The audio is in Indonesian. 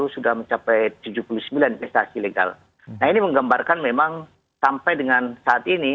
sudah mencapai tujuh puluh sembilan investasi legal nah ini menggambarkan memang sampai dengan saat ini